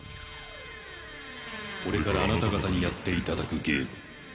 これからあなた方にやっていただくゲームそれは。